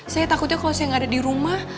saya takutnya kalau saya nggak ada di rumah